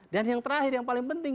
dan yang terakhir yang paling penting